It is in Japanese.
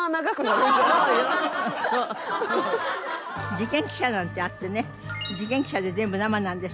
『事件記者』なんてあってね『事件記者』って全部生なんですけど。